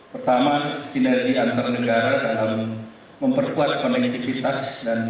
pertama sinergi antar negara dalam memperkuat konektivitas dan perlindungan